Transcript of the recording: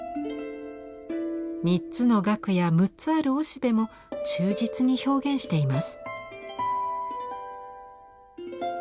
３つのガクや６つあるおしべも忠実に表現しています。